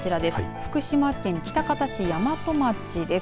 福島県喜多方市山都町です。